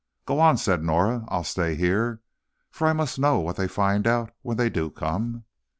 "Go on," said Norah, "I'll stay here, for I must know what they find out when they do come."